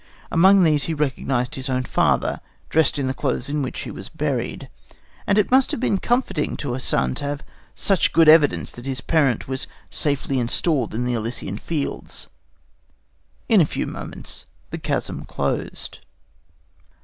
Among these he recognized his own father, dressed in the clothes in which he was buried; and it must have been comforting to the son to have such good evidence that his parent was safely installed in the Elysian Fields. In a few moments the chasm closed.